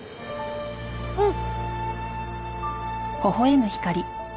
うん！